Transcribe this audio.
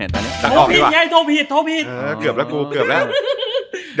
โทรผิดล่ะครับอ๋อโอเคครับ